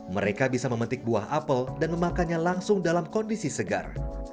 mereka bisa memetik buah apel dan memakannya langsung dalam kondisi segar